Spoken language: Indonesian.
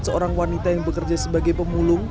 seorang wanita yang bekerja sebagai pemulung